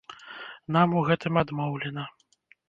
Нам у гэтым адмоўлена.